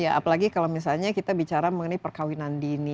ya apalagi kalau misalnya kita bicara mengenai perkawinan dini